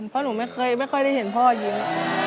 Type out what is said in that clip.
เพราะหนูไม่ค่อยได้เห็นพ่อยิ้ม